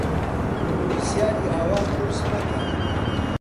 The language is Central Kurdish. پرسیاری ئاوا قورس مەکەن.